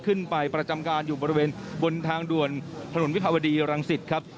ประจำการอยู่บริเวณบนทางด่วนถนนวิภาวดีรังสิตครับ